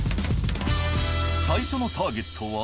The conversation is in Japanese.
最初のターゲットは。